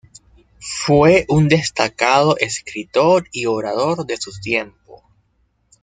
Fue un destacado escritor y orador de su tiempo.